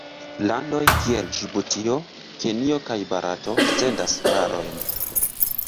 Landoj kiel Ĝibutio, Kenjo kaj Barato sendas varojn.